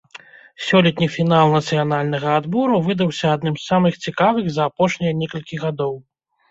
Сёлетні фінал нацыянальнага адбору выдаўся адным з самых цікавых за апошнія некалькі гадоў.